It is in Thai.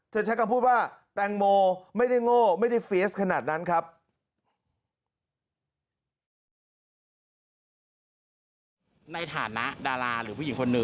ใช้คำพูดว่าแตงโมไม่ได้โง่ไม่ได้เฟียสขนาดนั้นครับ